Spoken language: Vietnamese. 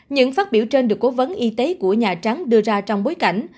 những phát biểu trên được cố vấn y tế của nhà trắng đưa ra trong bối cảnh